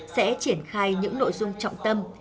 sẽ triển khai những nội dung trọng tâm